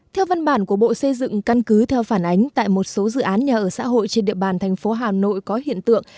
theo văn bản của bộ xây dựng căn cứ theo phản ánh tại một số dự án nhà ở xã hội trên địa bàn thành phố hà nội có hiện tượng